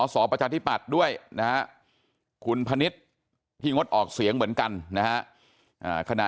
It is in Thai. สอประชาธิปัตย์ด้วยนะฮะคุณพนิษฐ์ที่งดออกเสียงเหมือนกันนะฮะขณะ